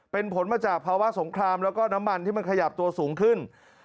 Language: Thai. เป็นผลมาจากภาวะสงครามแล้วก็น้ำมันที่มันขยับตัวสูงขึ้น